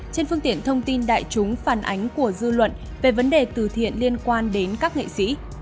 trên phương tiện thông tin đại chúng phản ánh của dư luận về vấn đề từ thiện liên quan đến các nghệ sĩ